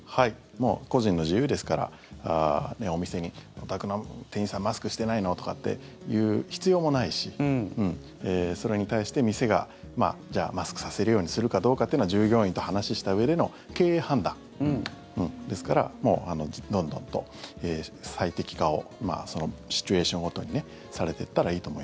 もう個人の自由ですからお店に、お宅の店員さんマスクしてないの？とかって言う必要もないしそれに対して店がマスクさせるようにするかどうかってのは従業員と話したうえでの経営判断ですからもうどんどんと最適化をそのシチュエーションごとにそうね。